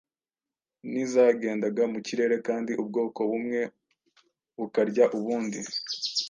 n’izagendaga mu kirere kandi ubwoko bumwe bukarya ubundi